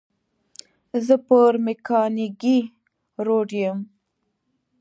زه پر مېکانګي روډ یم.